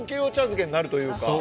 漬けになるというか。